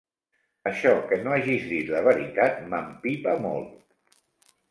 Això, que no hagis dit la veritat, m'empipa molt!